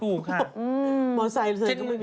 ต้องมอเชษที่ใหม่มิน